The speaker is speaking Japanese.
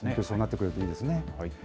そうなってくるといいですね。